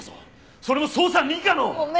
それも捜査二課の！